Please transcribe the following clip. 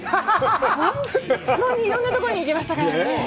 本当にいろんなところに行きましたからね。